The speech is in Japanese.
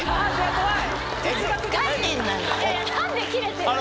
怖い。